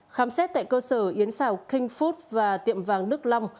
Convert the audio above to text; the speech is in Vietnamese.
khám xét tại cơ sở yến xào king food và tiệm vàng đức long